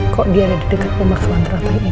kok dia ada di dekat rumah suantara terlalu indah